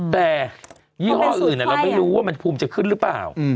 แต่ยี่ห้ออื่นเราไม่รู้ว่ามันภูมิจะขึ้นหรือเปล่า